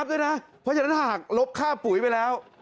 เพราะฉะนั้นถ้าหากลบค่าปุ๋ยไปแล้ว